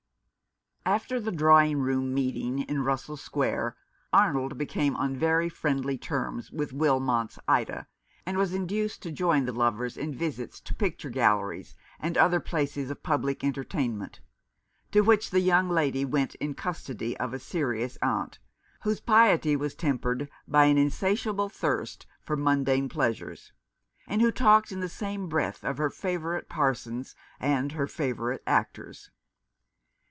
After the drawing room meeting in Russell Square Arnold became on very friendly terms with Wilmot's Ida, and was induced to join the lovers in visits to picture galleries, and other places of public entertainment, to which the young lady went in custody of a serious aunt, whose piety was tempered by an insatiable thirst for mundane pleasures, and who talked in the same breath of her favourite parsons and her favourite actors.